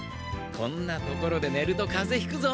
こんなところでねるとカゼひくぞ。